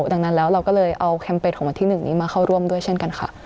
ดังนั้นแล้วเราก็เลยเอาแคมเปญของวันที่๑นี้มาเข้าร่วมด้วยเช่นกันค่ะ